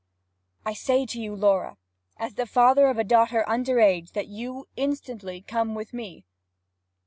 'I say to you, Laura, as the father of a daughter under age, that you instantly come with me.